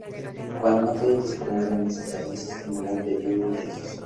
Cuando no podían disponer de un sacerdote secular pedían un religioso.